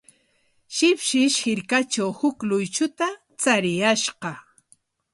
Shipshish hirkatraw huk luychuta chariyashqa.